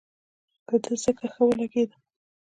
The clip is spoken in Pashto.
په ده ځکه ښه ولګېدم.